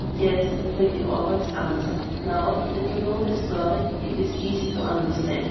"Yes," Lady Aurex answered, "now that you know the story it is easy to understand.